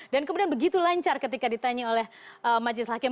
dan kemudian begitu lancar ketika ditanya oleh majelis hakim